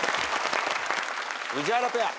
宇治原ペア。